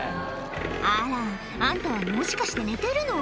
あらあんたはもしかして寝てるの？